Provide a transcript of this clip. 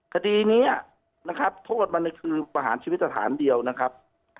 คดีนี้นะครับโทษมันคือประหารชีวิตสถานเดียวนะครับ